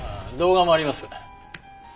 動画もあります。